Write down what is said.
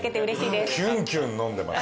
キュンキュン飲んでます。